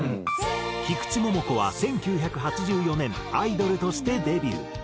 菊池桃子は１９８４年アイドルとしてデビュー。